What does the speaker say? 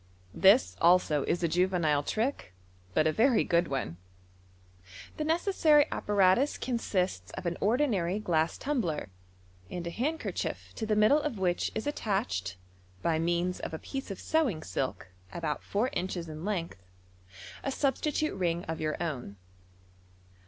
— This also is a juvenile trick, but a very good one. The necessary apparatus consists of an ordinary glass tumbler, and a handkerchief to the middle of which is ittachtd, by means of a piece of sewing silk about four inches in length, a substitute ring of your own.